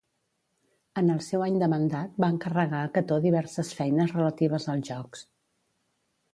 En el seu any de mandat va encarregar a Cató diverses feines relatives als jocs.